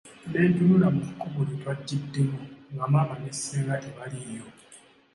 Ne ntunula mu kkubo lye twajjiddemu nga maama ne ssenga tebaliiyo.